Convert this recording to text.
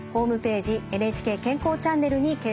ＮＨＫ健康チャンネルに掲載しています。